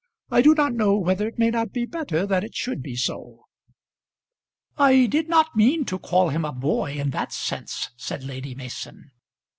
I do not know whether it may not be better that it should be so." "I did not mean to call him a boy in that sense," said Lady Mason.